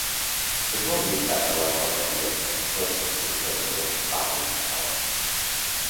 Fes-me un llistat de les barberies on tots els seus treballadors parlin català